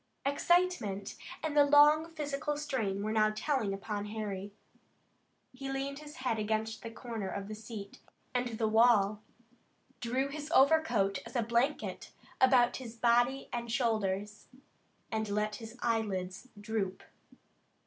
Excitement and the long physical strain were now telling upon Harry. He leaned his head against the corner of the seat and the wall, drew his overcoat as a blanket about his body and shoulders, and let his eyelids droop.